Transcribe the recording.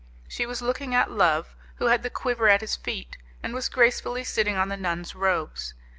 She was looking at Love, who had the quiver at his feet, and was gracefully sitting on the nun's robes.